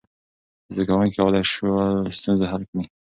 زده کوونکي کولی شول ستونزه حل کړي.